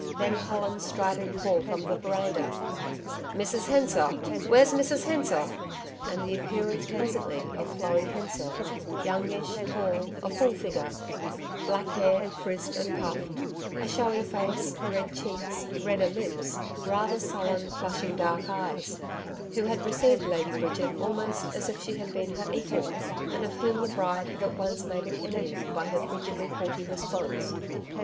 Then Colin's strident call from the veranda 'Mrs Hensor. Where's Mrs Hensor!' And the appearance presently of Florrie Hensor youngish, tall, a full figure; black hair, frizzed and puffed, a showy face, red cheeks, redder lips, rather sullen, flashing dark eyes who had received Lady Bridget almost as if she had been her equal, and of whom the bride had at once made an enemy by her frigidly haughty response.